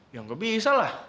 ya gak bisa lah